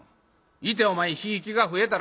行てお前贔屓が増えたら」。